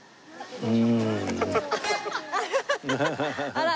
あら。